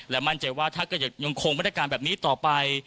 มั่นใจว่าถ้าเกิดยังคงมาตรการแบบนี้ต่อไป